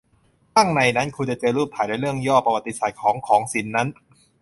ข้างในนั้น คุณจะเจอรูปถ่ายและเรื่องย่อประวัติศาสตร์ของของสินนั้น